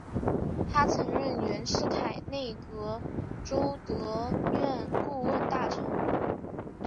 他曾任袁世凯内阁弼德院顾问大臣。